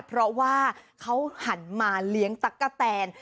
เพราะว่าเขาหันมาเลี้ยงตั๊กกะแตน